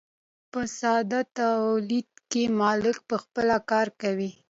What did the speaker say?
په ساده تولید کې مالک پخپله کار کوي.